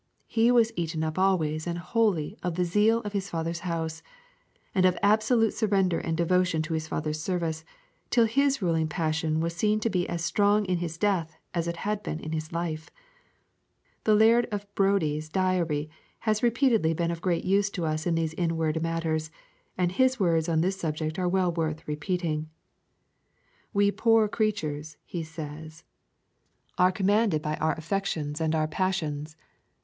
He was eaten up always and wholly of the zeal of His Father's house, and of absolute surrender and devotion to His Father's service, till His ruling passion was seen to be as strong in His death as it had been in His life. The Laird of Brodie's Diary has repeatedly been of great use to us in these inward matters, and his words on this subject are well worth repeating. 'We poor creatures,' he says, 'are commanded by our affections and passions.